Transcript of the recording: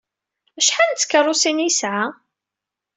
Acḥal n tkeṛṛusin ay yesɛa?